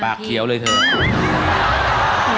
เขียวเลยเถอะ